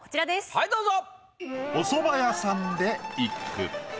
はいどうぞ。